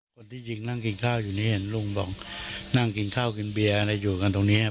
คนที่ยิงนั่งกินข้าวอยู่นี่เห็นลุงบอกนั่งกินข้าวกินเบียร์อะไรอยู่กันตรงนี้